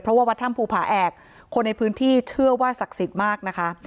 เพราะว่าวัดถ้ำภูผาแอกคนในพื้นที่เชื่อว่าศักดิ์สิทธิ์มากนะคะ